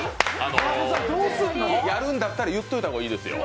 やるんだったら、言っておいた方がいいですよ。